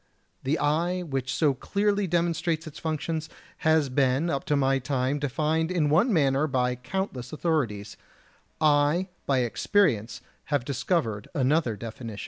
The eye, which so clearly demonstrates its functions, has been up to my time defined in one manner by countless authorities; I by experience have discovered another definition.